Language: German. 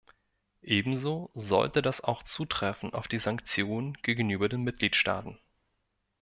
Ebenso sollte das auch zutreffen auf die Sanktionen gegenüber den Mitgliedstaaten.